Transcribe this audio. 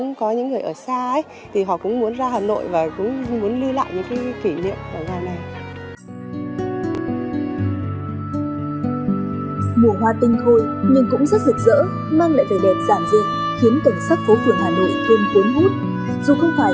cũng có những người ở xa ấy thì họ cũng muốn ra hà nội và cũng muốn lưu lại những cái kỉ niệm ở hà nội